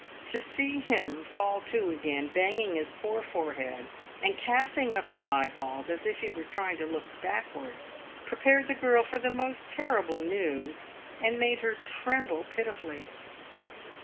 To see him fall to again banging his poor forehead and casting up his eyeballs as if he were trying to look backwards, prepared the girl for the most terrible news, and made her tremble pitifully.